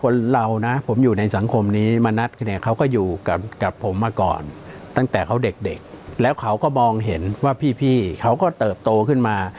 เรานะผมอยู่ในสังคมนี้มานัดเนี่ยเขาก็อยู่กับผมมาก่อนตั้งแต่เขาเด็กแล้วเขาก็มองเห็นว่าพี่เขาก็เติบโตขึ้นมา